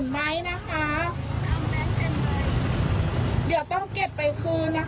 ไม่รู้ใครทำแบงค์พันธุ์หล่นไหมนะคะ